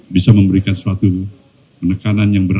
bisa memberikan suatu penekanan yang berat